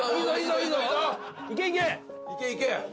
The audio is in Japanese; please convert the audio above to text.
いけいけ！